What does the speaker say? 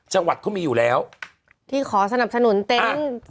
จังหวัดเขามีอยู่แล้วที่ขอสนับสนุนเต็นต์